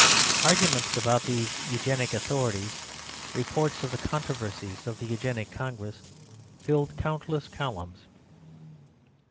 Arguments about these Eugenic authorities, reports of the controversies at the Eugenic Congress, filled countless columns.